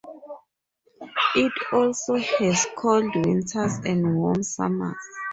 It also has cold winters and warm summers.